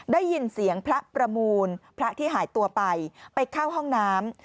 ได้ยินเสียงพระประมูลพระที่หายตัวไปไปเข้าห้องน้ำ